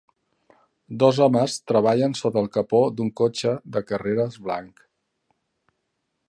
Dos homes treballen sota el capó d'un cotxe de carreres blanc.